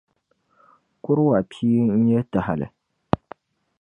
Kuruwa pia n-nyɛ tahili.